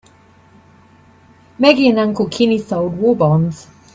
Maggie and Uncle Kenny sold war bonds.